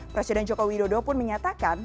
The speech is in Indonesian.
presiden joko widodo pun menyatakan